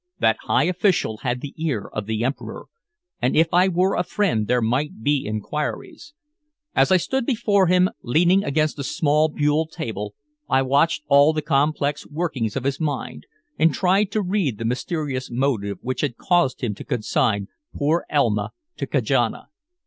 That high official had the ear of the Emperor, and if I were a friend there might be inquiries. As I stood before him leaning against a small buhl table, I watched all the complex workings of his mind, and tried to read the mysterious motive which had caused him to consign poor Elma to Kajana.